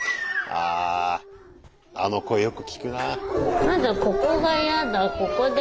あああの声よく聞くなあ。